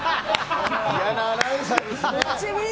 嫌なアナウンサーですね。